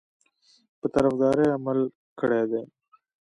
په طرفداري عمل کړی دی.